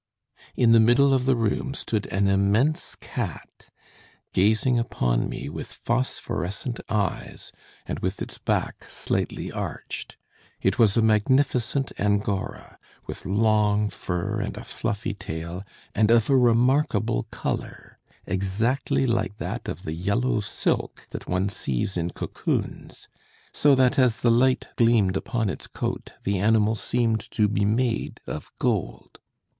In the middle of the room stood an immense cat gazing upon me with phosphorescent eyes, and with its back slightly arched. It was a magnificent Angora, with long fur and a fluffy tail, and of a remarkable color exactly like that of the yellow silk that one sees in cocoons so that, as the light gleamed upon its coat, the animal seemed to be made of gold.